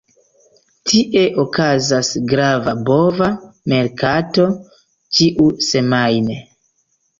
Tie okazas grava bova merkato ĉiusemajne.